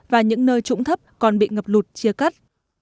và những nơi trũng thấp còn bị ngập lụt chia cắt